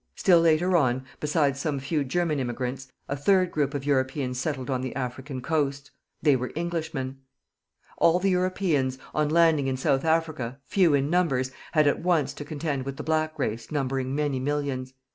Still later on, besides some few German immigrants, a third group of Europeans settled on the African coast. They were Englishmen. All the Europeans, on landing in South Africa, few in numbers, had at once to contend with the black race numbering many millions.